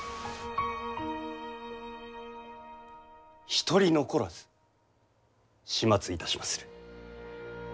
一人残らず始末いたしまする。